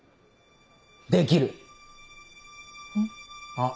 あっ。